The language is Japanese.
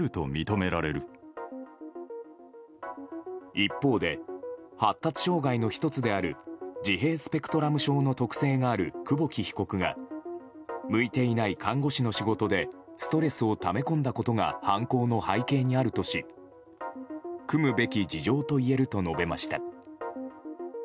一方で発達障害の１つである自閉スペクトラム症の特性がある久保木被告が向いていない看護師の仕事でストレスをため込んだことが犯行の背景にあるとしくむべき事情といえると述べました。